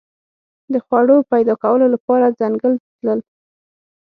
د خوړو پیدا کولو لپاره ځنګل تلل.